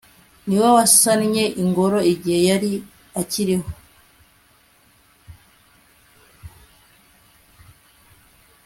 ni we wasannye ingoro igihe yari akiriho